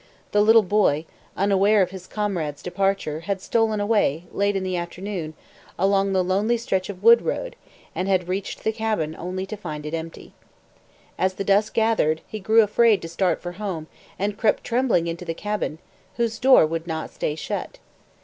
The little boy, unaware of his comrade's departure, had stolen away, late in the afternoon, along the lonely stretch of wood road, and had reached the cabin only to find it empty. As the dusk gathered, he grew afraid to start for home and crept trembling into the cabin, whose door would not stay shut.